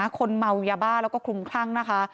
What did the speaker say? คนเมายาบ้าแล้วก็คลุมคลั่งนะคะ